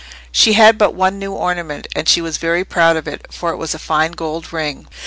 She had but one new ornament, and she was very proud of it, for it was a fine gold ring.